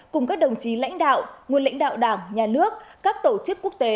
cùng các đồng chí lãnh đạo nguồn lãnh đạo đảng nhà nước các tổ chức quốc tế